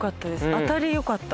当たりよかった。